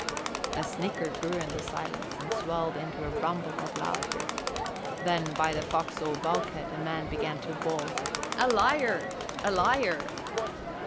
A snicker grew in the silence and swelled into a rumble of laughter; then, by the forecastle bulkhead, a man began to bawl, "A liar! A liar!"